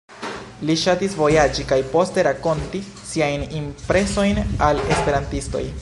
Li ŝatis vojaĝi kaj poste rakonti siajn impresojn al esperantistoj.